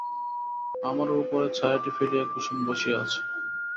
আমার উপরে ছায়াটি ফেলিয়া কুসুম বসিয়া আছে।